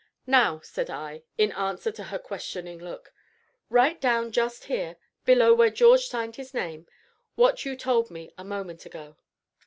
"Now," said I, in answer to her questioning look, "write down just here, below where George signed his name, what you told me a moment ago."